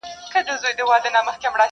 یو گوزار يې ورته ورکړ ناگهانه٫